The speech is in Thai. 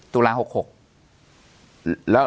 ตุลา๖๖